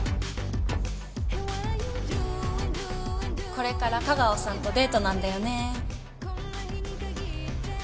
これから香川さんとデートなんだよね。